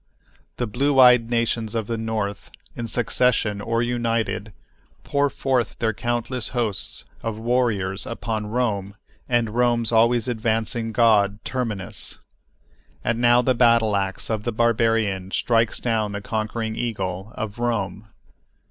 The "blue eyed nations of the North," in succession or united, pour forth their countless hosts of warriors upon Rome and Rome's always advancing god Terminus. And now the battle ax of the barbarian strikes down the conquering eagle of Rome.